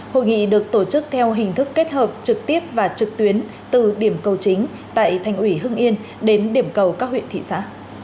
hội nghị được tổ chức theo hình thức kết hợp trực tiếp và trực tuyến từ điểm cầu chính tại thành ủy hưng yên đến điểm cầu các huyện thị xã